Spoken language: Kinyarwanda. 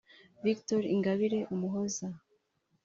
Victoire Ingabire Umuhoza